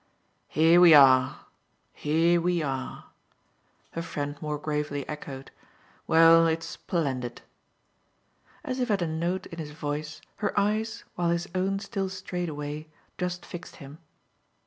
"Here we are, here we are!" her friend more gravely echoed. "Well, it's splendid!" As if at a note in his voice her eyes, while his own still strayed away, just fixed him.